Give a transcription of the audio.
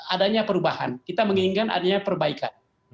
adanya perubahan kita menginginkan adanya perbaikan